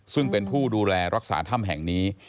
ซึ่งเป็นผู้ดูแลรักษาถ้ำแห่งนี้